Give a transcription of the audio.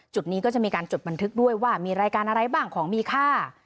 จุดนี้ก็จะมีการจดบันทึกด้วยว่ามีรายการอะไรบ้างของมีค่า